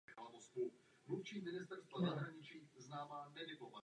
Já vím, hezkou dceru.